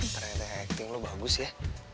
ternyata acting lo bagus ya